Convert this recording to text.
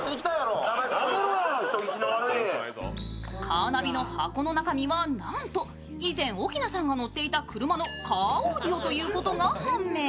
カーナビの箱の中にはなんと以前、奧菜さんが乗っていた車のカーオーディオということが判明。